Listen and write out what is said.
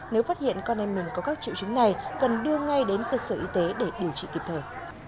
nếu phát hiện con em mình có các triệu chứng này cần đưa ngay đến cơ sở y tế để điều trị kịp thời